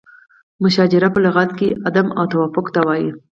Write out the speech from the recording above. مشاجره په لغت کې عدم توافق ته وایي.